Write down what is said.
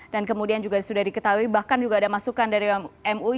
dan kemudian juga sudah diketahui bahkan juga ada masukan dari mui